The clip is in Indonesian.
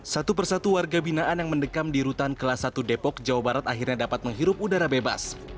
satu persatu warga binaan yang mendekam di rutan kelas satu depok jawa barat akhirnya dapat menghirup udara bebas